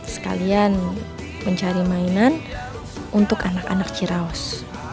sekalian mencari mainan untuk anak anak cirawas